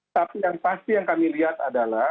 tapi yang pasti yang kami lihat adalah